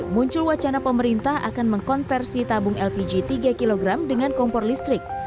muncul wacana pemerintah akan mengkonversi tabung lpg tiga kg dengan kompor listrik